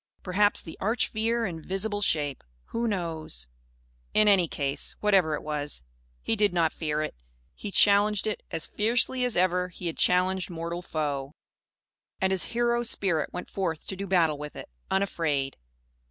Perhaps "the Arch Fear in visible shape." Who knows? In any case, whatever it was, he did not fear it. He challenged it as fiercely as ever he had challenged mortal foe. And his hero spirit went forth to do battle with it unafraid.